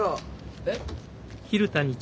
えっ？